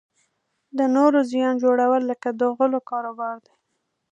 د نورو زیان جوړول لکه د غولو کاروبار دی.